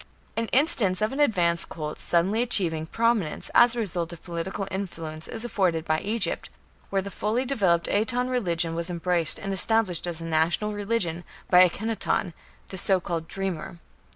An instance of an advanced cult suddenly achieving prominence as a result of political influence is afforded by Egypt, where the fully developed Aton religion was embraced and established as a national religion by Akhenaton, the so called "dreamer".